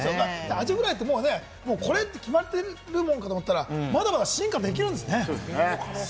アジフライって、これって決まってるもんだと思っていたら、まだまだ進化できるんですね。